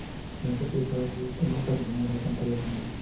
En esta película hace su última aparición en la pantalla grande.